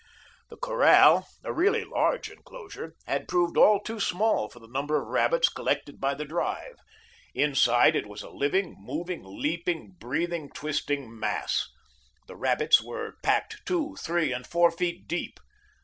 The corral, a really large enclosure, had proved all too small for the number of rabbits collected by the drive. Inside it was a living, moving, leaping, breathing, twisting mass. The rabbits were packed two, three, and four feet deep.